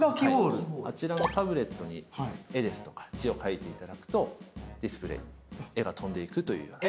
あちらのタブレットに絵とか字をかいていただくとディスプレーに絵が飛んでいくという。